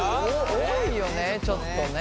多いよねちょっとね。